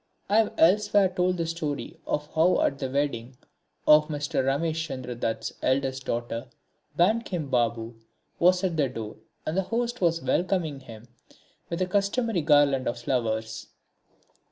I have elsewhere told the story of how at the wedding of Mr. Ramesh Chandra Dutt's eldest daughter, Bankim Babu was at the door, and the host was welcoming him with the customary garland of flowers.